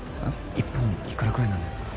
１本いくらぐらいなんですか？